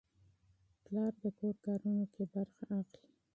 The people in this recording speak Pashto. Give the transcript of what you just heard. پلار د کور کارونو کې برخه اخلي.